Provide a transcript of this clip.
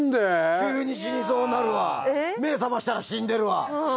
急に死にそうになるわ目ぇ覚ましたら死んでるわ。